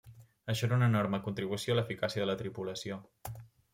Això era una enorme contribució a l'eficàcia de la tripulació.